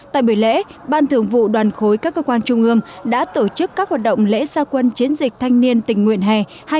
tại buổi lễ ban thường vụ đoàn khối các cơ quan trung ương đã tổ chức các hoạt động lễ gia quân chiến dịch thanh niên tình nguyện hè hai nghìn một mươi chín